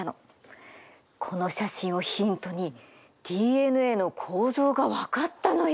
この写真をヒントにＤＮＡの構造が分かったのよ。